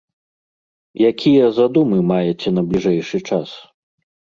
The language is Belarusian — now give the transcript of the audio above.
Якія задумы маеце на бліжэйшы час?